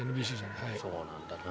そうなんだな。